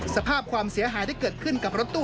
สภาพความเสียหายที่เกิดขึ้นกับรถตู้